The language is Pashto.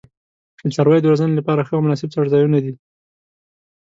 د څارویو د روزنې لپاره ښه او مناسب څړځایونه دي.